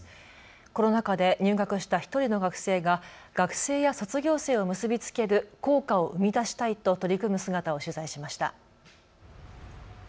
コロナ禍で入学した１人の学生が学生や卒業生を結び付ける校歌を生み出したいと取り組む姿を取材しました。